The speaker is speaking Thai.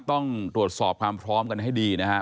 ต้องตรวจสอบความพร้อมกันให้ดีนะครับ